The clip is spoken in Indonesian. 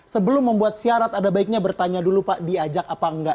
sebelum membuat syarat ada baiknya bertanya dulu pak diajak apa enggak